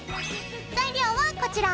材料はこちら。